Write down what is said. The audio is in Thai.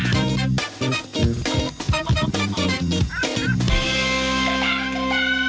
โปรดติดตามตอนต่อไป